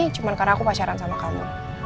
cuma karena aku pacaran sama kamu